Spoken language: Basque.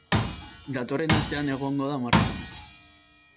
Datorren astean egongo da martxan.